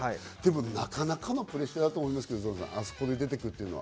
なかなかのプレッシャーだと思いますけど、あそこに出てくるというのは。